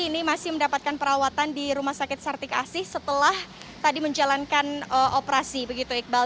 ini masih mendapatkan perawatan di rumah sakit sartikasi setelah tadi menjalankan operasi begitu iqbal